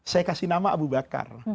saya kasih nama abu bakar